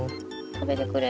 食べてくれ。